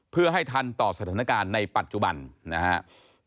เพื่อให้ทันต่อสถานการณ์ในปัจจุบันนะครับ